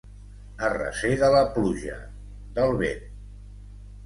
A recer de la pluja, del vent.